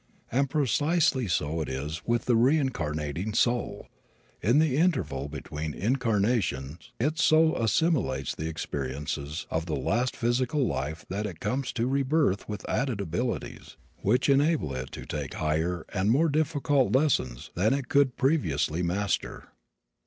And precisely so it is with the reincarnating soul. In the interval between incarnations it so assimilates the experiences of the last physical life that it comes to rebirth with added abilities which enable it to take higher and more difficult lessons than it could previously master.